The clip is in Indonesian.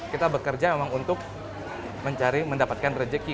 kita bekerja memang untuk mencari mendapatkan rezeki